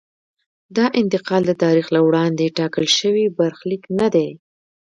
دا انتقال د تاریخ له وړاندې ټاکل شوی برخلیک نه دی.